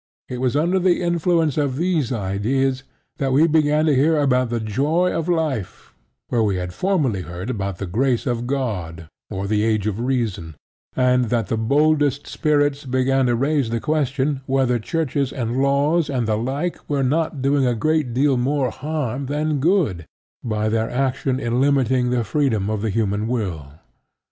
It was under the influence of these ideas that we began to hear about the joy of life where we had formerly heard about the grace of God or the Age of Reason, and that the boldest spirits began to raise the question whether churches and laws and the like were not doing a great deal more harm than good by their action in limiting the freedom of the human will.